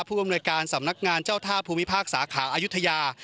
อำนวยการสำนักงานเจ้าท่าภูมิภาคสาขาอายุทยา